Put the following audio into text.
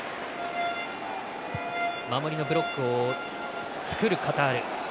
守りのブロックを作るカタール。